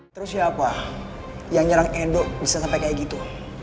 terus siapa yang nyerang endo bisa sampai kayak gitu